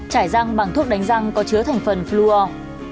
trải răng bằng thuốc đánh răng có chứa thành phần fluer